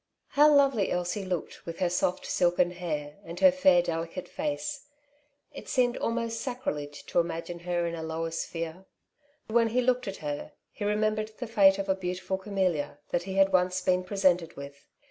How lovely Elsie looked, with her soft silken hair, and her fair, delicate face ! It seemed almost sacrilege to imagine her in a lower sphere. When he looked at her, he remembered the fate of a beautiful camellia that he had once been presented with.